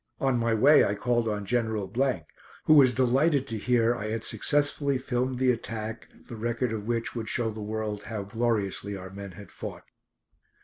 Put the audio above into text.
On my way I called on General , who was delighted to hear I had successfully filmed the attack, the record of which would show the world how gloriously our men had fought.